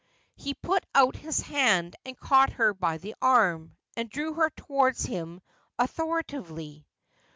He put out his hand and caught her by the arm, and drew her towards him authoritatively.